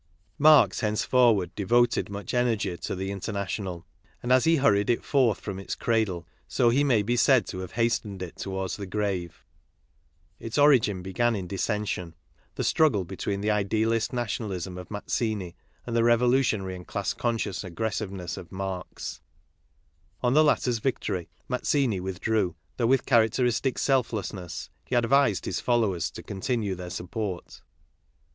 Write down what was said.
Marx henceforward devoted much energy to the International, and as he hurried it forth from its cradle, so he may be said to have hastened it towards the grave. Its origin began in dissension — the struggle between the idealist nationalism of Mazzini and the revolution ary and class conscious aggressiveness of Marx. On the latter's victory Mazzini withdrew, though with characteristic selflessness he advised his followers to continue their support.